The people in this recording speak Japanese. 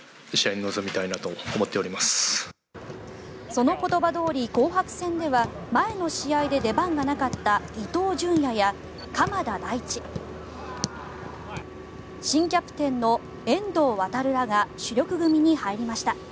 その言葉どおり、紅白戦では前の試合で出番がなかった伊東純也や鎌田大地新キャプテンの遠藤航らが主力組に入りました。